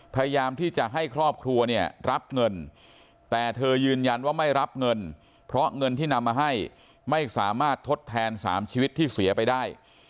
พยายามที่จะให้ครอบครัวเนี่ยรับเงินแต่เธอยืนยันว่าไม่รับเงินเพราะเงินที่นำมาให้ไม่สามารถทดแทน๓ชีวิตที่เสียไปได้